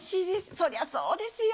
そりゃそうですよ！